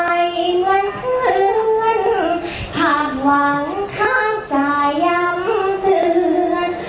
ให้เหนือนเพื่อนเผาหวังข้างจะย้ำเทือน